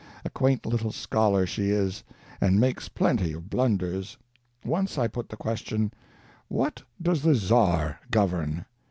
A quaint little scholar she is, and makes plenty of blunders. Once I put the question: "What does the Czar govern?"